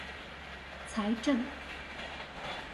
財政